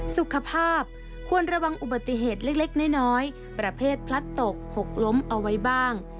สุขภาพควรระวังอุบัติเหตุเล็กน้อยประเภทพลัดตกหกล้มเอาไว้บ้าง